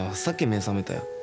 さっき目覚めたよ。